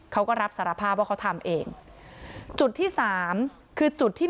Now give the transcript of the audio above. เขาก็รับสารภาพว่าเขาทำเองจุดที่สามคือจุดที่